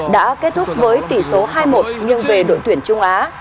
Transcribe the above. đã kết thúc với tỷ số hai một nghiêng về đội tuyển trung á